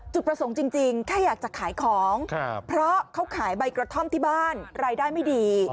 จุดประสงค์จริงแค่อยากจะขายของเพราะเขาขายใบกระท่อมที่บ้านรายได้ไม่ดี